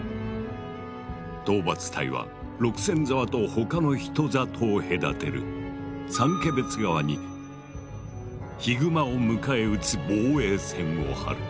討伐隊は六線沢と他の人里を隔てる三毛別川にヒグマを迎え撃つ防衛線を張る。